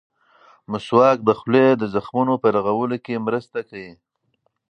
مسواک د خولې د زخمونو په رغولو کې مرسته کوي.